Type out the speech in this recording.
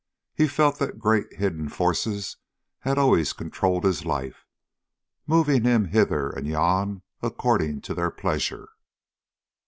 He felt that great hidden forces had always controlled his life, moving him hither and yon according to their pleasure.